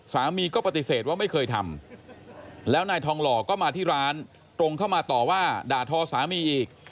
สามีก็ปฏิเสธว่าไม่เคยทำแล้วนายทองหล่อก็มาที่ร้านตรงเข้ามาต่อว่าด่าทอสามีอีก